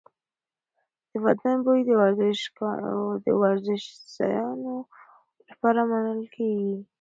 د بدن بوی د ورزشځایونو لپاره منل کېږي.